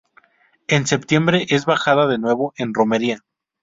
En septiembre es bajada de nuevo en romería.